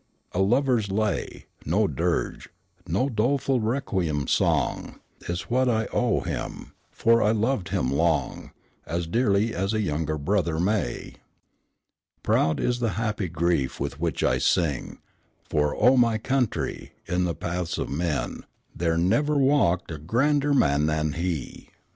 ... A lover's lay No dirge no doleful requiem song Is what I owe him; for I loved him long; As dearly as a younger brother may. Proud is the happy grief with which I sing; For, O my Country! in the paths of men There never walked a grander man than he!